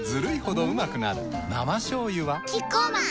生しょうゆはキッコーマン